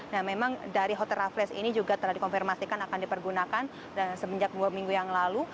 nah memang dari hotel raffles ini juga telah dikonfirmasikan akan dipergunakan dan semenjak dua minggu yang lalu